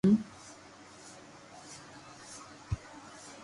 اونو سٺو ٺراوُ ھون